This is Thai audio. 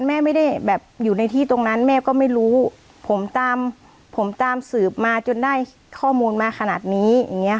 แม่ไม่ได้แบบอยู่ในที่ตรงนั้นแม่ก็ไม่รู้ผมตามสืบมาจนได้ข้อมูลมาขนาดนี้